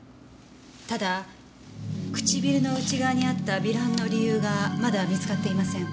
ただ唇の内側にあった糜爛の理由がまだ見つかっていません。